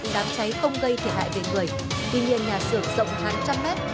đám cháy không gây thiệt hại về người vì nền nhà xưởng rộng hàng trăm mét